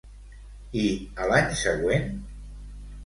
I a l'any següent?